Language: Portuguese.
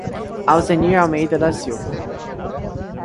Alzenir Almeida da Silva